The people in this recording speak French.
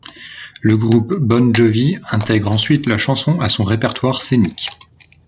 Le groupe Bon Jovi intègre ensuite la chanson à son répertoire scénique.